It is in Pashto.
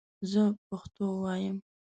زه پښتو وایم